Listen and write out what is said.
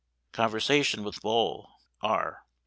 Conversation with Bol. R.